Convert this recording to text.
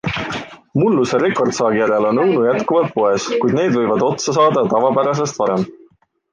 Mulluse rekordsaagi järel on õunu jätkuvalt poes, kuid need võivad otsa saada tavapärasest varem.